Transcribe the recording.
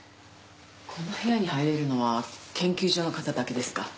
この部屋に入れるのは研究所の方だけですか？